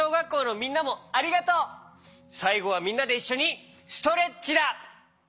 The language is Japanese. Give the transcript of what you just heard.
さいごはみんなでいっしょにストレッチだ！